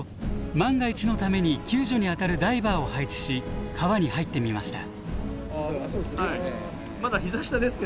万が一のために救助に当たるダイバーを配置し川に入ってみました。